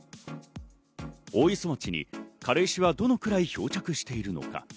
大磯町に軽石はどのくらい漂着しているのか。